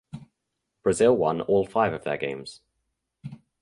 Brazil won all five of their games.